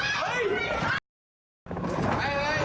ใครมาเก่งพูดอะไร